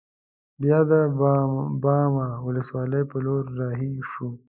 بیا د باما ولسوالۍ پر لور رهي شوو.